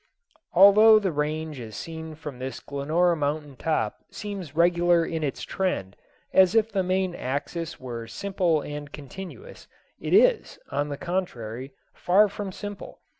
Although the range as seen from this Glenora mountain top seems regular in its trend, as if the main axis were simple and continuous, it is, on the contrary, far from simple.